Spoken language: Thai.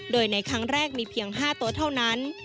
โดยในครั้งแรกมีเพียง๕ตัวเท่านั้น